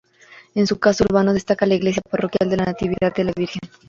En su casco urbano destaca la iglesia parroquial de la Natividad de la Virgen.